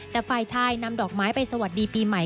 แต่ฝ่ายชายนำดอกไม้ไปสวัสดีปีใหม่